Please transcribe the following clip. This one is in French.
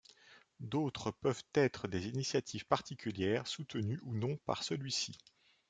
D'autres peuvent être des initiatives particulières soutenues ou non par celui-ci.